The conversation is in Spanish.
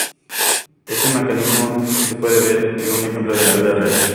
Este mecanismo se puede ver en un ejemplo de la vida real.